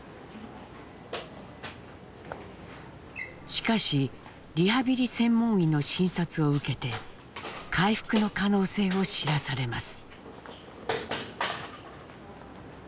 しかしリハビリ専門医の診察を受けて回復の可能性を知らされます。